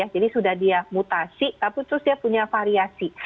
jadi sudah dia mutasi tapi terus dia punya variasi